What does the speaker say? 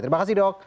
terima kasih dok